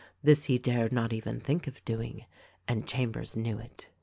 This he dared not even think of doing — and Chambers knew it.